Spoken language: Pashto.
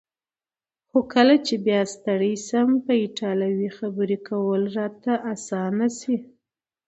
خو کله چې بیا ستړی یم په ایټالوي خبرې کول راته اسانه شي.